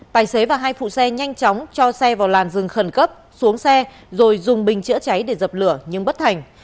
tài xế và hai phụ xe nhanh chóng cho xe vào làn rừng khẩn cấp xuống xe rồi dùng bình chữa cháy để dập lửa nhưng bất thành